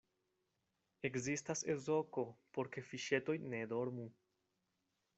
Ekzistas ezoko, por ke fiŝetoj ne dormu.